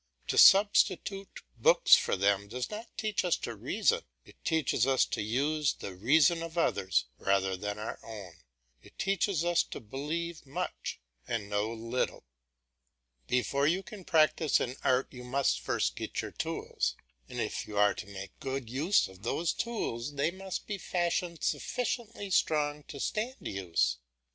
To substitute books for them does not teach us to reason, it teaches us to use the reason of others rather than our own; it teaches us to believe much and know little. Before you can practise an art you must first get your tools; and if you are to make good use of those tools, they must be fashioned sufficiently strong to stand use.